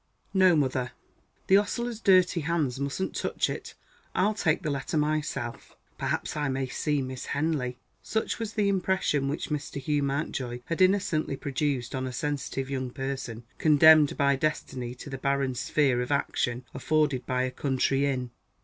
"No, mother. The ostler's dirty hands mustn't touch it I'll take the letter myself. Perhaps I may see Miss Henley." Such was the impression which Mr. Hugh Mountjoy had innocently produced on a sensitive young person, condemned by destiny to the barren sphere of action afforded by a country inn!